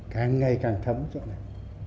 càng ngày càng thấm chỗ này